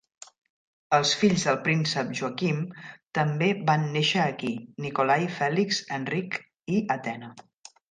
Els fills del príncep Joachim també van néixer aquí: Nikolai, Felix, Henrik i Athena.